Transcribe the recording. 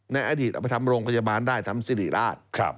ในอดีตเอาไปทำโรงพยาบาลได้ทำสิริราช